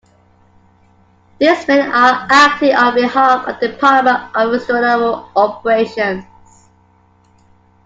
These men are acting on behalf of the Department of Extranormal Operations.